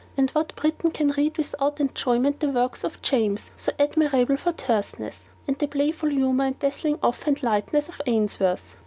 And what Briton can read without enjoyment the works of James, so admirable for terseness; and the playful humour and dazzling offhand lightness of Ainsworth?